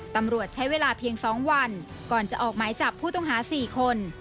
ตำรวจใช้เวลาเพียง๒วันก่อนจะออกหมายจับผู้ต้องหา๔คน